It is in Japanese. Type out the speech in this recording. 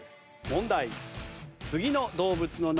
問題。